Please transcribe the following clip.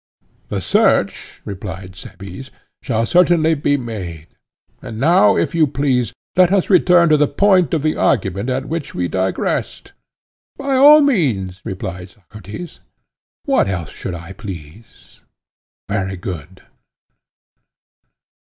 The search, replied Cebes, shall certainly be made. And now, if you please, let us return to the point of the argument at which we digressed. By all means, replied Socrates; what else should I please? Very good.